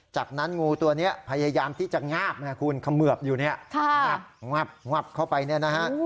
จากนั้นงูตัวนี้พยายามที่จะงาบนะคุณเขมือบอยู่เนี่ยงับงับเข้าไปเนี่ยนะฮะ